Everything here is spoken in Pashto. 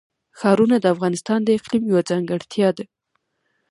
ښارونه د افغانستان د اقلیم یوه ځانګړتیا ده.